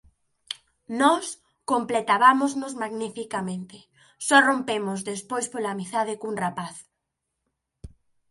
Nós completabámonos magnificamente, só rompemos despois pola amizade cun rapaz.